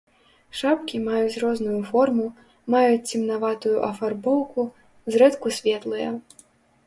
Шапкі маюць розную форму, маюць цемнаватую афарбоўку, зрэдку светлыя.